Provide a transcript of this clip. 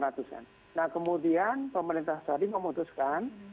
nah kemudian pemerintah saudi memutuskan